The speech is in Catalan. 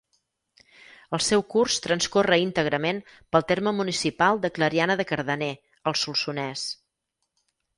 El seu curs transcorre íntegrament pel terme municipal de Clariana de Cardener, al Solsonès.